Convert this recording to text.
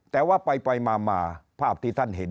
แต่ว่าไปมาภาพที่ท่านเห็น